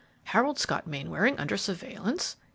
"Harold Scott Mainwaring under surveillance?